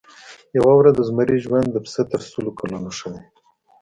یوه ورځ د زمري ژوند د پسه تر سلو کلونو ښه دی.